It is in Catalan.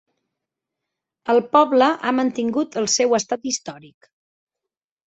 El poble ha mantingut el seu estat històric.